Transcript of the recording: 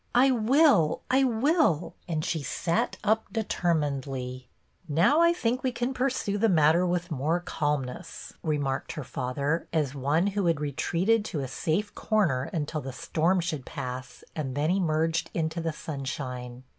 I will, I will;" and she sat up deter uiinedly. "Now I think we can pursue the matter BETTY BAIRD I 2 with more calmness," remarked her father, as one who had retreated to a safe corner until the storm should pass and then emerged into the sunshine.